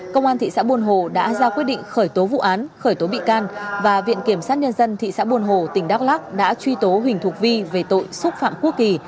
công an thị xã buôn hồ đã ra quyết định khởi tố vụ án khởi tố bị can và viện kiểm sát nhân dân thị xã buồn hồ tỉnh đắk lắc đã truy tố huỳnh thuộc vi về tội xúc phạm quốc kỳ